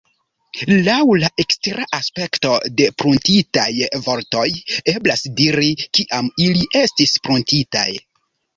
Laŭ la ekstera aspekto de pruntitaj vortoj eblas diri, kiam ili estis pruntitaj.